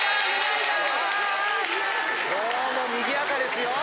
今日もにぎやかですよ。